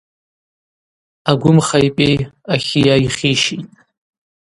Агвымха йпӏей ахыйа йхьищитӏ.